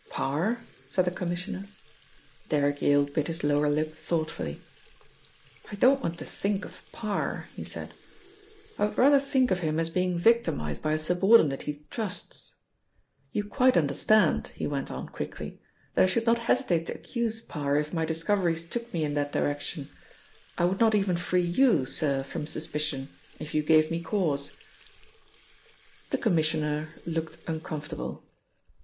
"Parr?" said the Commissioner. Derrick Yale bit his lower lip thoughtfully. "I don't want to think of Parr," he said. "I would rather think of him as being victimised by a subordinate he trusts. You quite understand," he went on quickly, "that I should not hesitate to accuse Parr if my discoveries took me in that direction. I would not even free you, sir, from suspicion, if you gave me cause." The Commissioner looked uncomfortable.